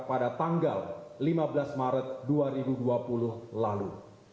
pada tanggal lima belas maret dua ribu dua puluh lalu